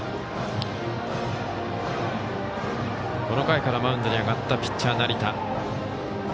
この回からマウンドに上がったピッチャー成田。